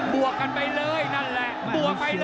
บวกกันไปเลยนั่นแหละ